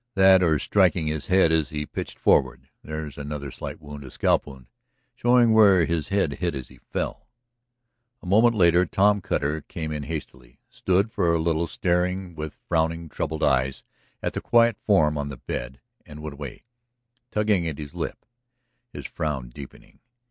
That or striking his head as he pitched forward; there's another slight wound, a scalp wound, showing where his head hit as he fell." A moment later Tom Cutter came in hastily, stood for a little staring with frowning, troubled eyes at the quiet form on the bed, and went away, tugging at his lip, his frown deepening.